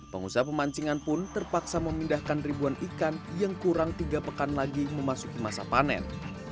pengusaha pemancingan pun terpaksa memindahkan ribuan ikan yang kurang tiga pekan lagi memasuki masa panen